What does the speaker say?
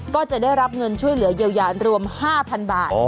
ก็จะได้รับเงินช่วยเหลือเยียวยารวม๕๐๐๐บาท